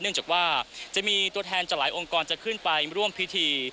เนี่ยว่าจะมีตัวแทนหลายองค์กรจะขึ้นไปร่วมพิธี